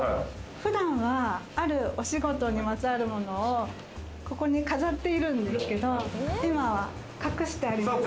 普段は、あるお仕事にまつわるものをここに飾っているんですけど今は隠してあります。